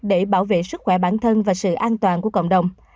để bảo vệ sức khỏe bản thân và sự an toàn của cộng đồng